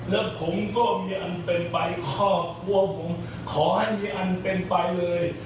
แล้วผมก็มีอันเป็นไปครอบครัวผมขออันที่อันเป็นไปเลย